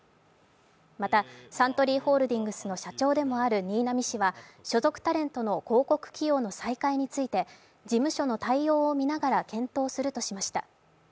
またサントリーホールディングスの社長でもある新浪氏は所属タレントの広告起用の再開について事務所の対応を見ながら検討するとしました。